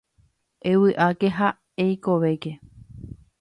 Evy'áke ha eikovéke.